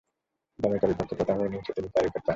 জ্যামাইকার বিপক্ষে প্রথম ইনিংসে তিনি চার উইকেট পান।